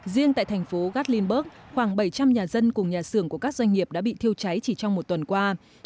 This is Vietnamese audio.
riêng tại thành phố gatlinberg khoảng bảy trăm linh nhà dân cùng nhà xưởng của các doanh nghiệp đã bị thiêu cháy chỉ trong một tuần qua